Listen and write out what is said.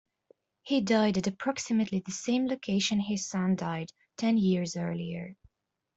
He died at approximately the same location his son died, ten years earlier.